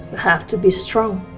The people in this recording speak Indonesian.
kamu harus kuat